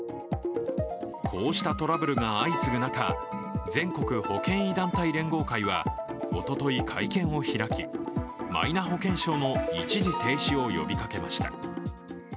こうしたトラブルが相次ぐ中、全国保険医団体連合会はおととい会見を開き、マイナ保険証の一時停止を呼びかけました。